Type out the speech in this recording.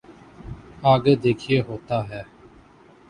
آگے دیکھیے ہوتا ہے۔